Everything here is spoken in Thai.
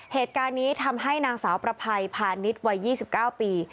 เหตุการณ์นี้ทำให้นางสาวประภัยพาณิชย์วัย๒๙ปี